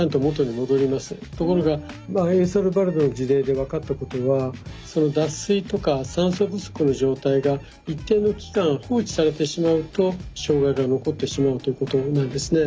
ところがエルサルバドルの事例で分かったことは脱水とか酸素不足の状態が一定の期間放置されてしまうと障害が残ってしまうということなんですね。